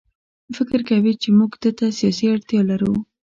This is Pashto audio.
فکر کوي چې موږ ده ته سیاسي اړتیا لرو.